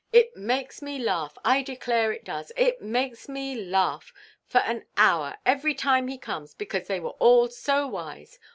It makes me laugh, I declare it does; it makes me laugh for an hour, every time he comes, because they were all so wise.